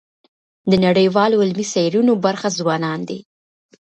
د نړیوالو علمي څېړنو برخه ځوانان دي.